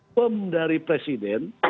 pem dari presiden